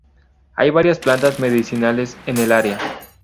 Hay varias plantas medicinales en el área.